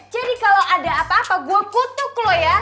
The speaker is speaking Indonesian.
jadi kalau ada apa apa gue kutuk lo ya